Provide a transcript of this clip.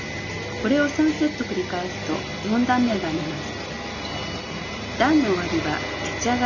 これを３セット繰り返すと４段めが編めます。